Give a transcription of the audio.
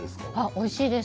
おいしいです。